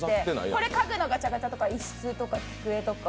これ家具のガチャガチャいすとか机とか。